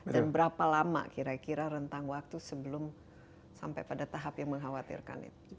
dan berapa lama kira kira rentang waktu sebelum sampai pada tahap yang mengkhawatirkan itu